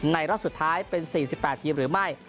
รอบสุดท้ายเป็น๔๘ทีมหรือไม่